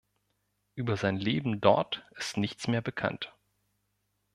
Über sein Leben dort ist nichts mehr bekannt.